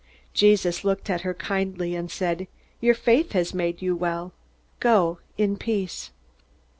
Jesus looked at her kindly, and said: "Your faith has made you well. Go in peace."